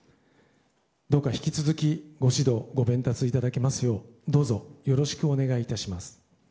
どうか引き続きご指導ご鞭撻いただけますようどうぞよろしくお願いいたします。